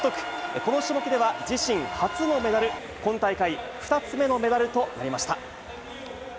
この種目では自身初のメダル、今大会、２つ目のメダルとなりました。